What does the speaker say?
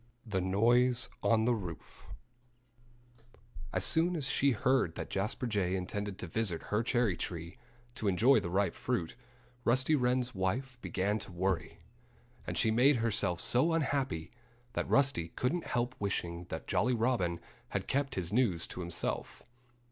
XI THE NOISE ON THE ROOF As soon as she heard that Jasper Jay intended to visit her cherry tree, to enjoy the ripe fruit, Rusty Wren's wife began to worry. And she made herself so unhappy that Rusty couldn't help wishing that Jolly Robin had kept his news to himself.